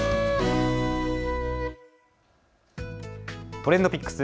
ＴｒｅｎｄＰｉｃｋｓ